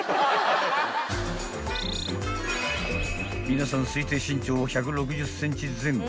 ［皆さん推定身長１６０ｃｍ前後］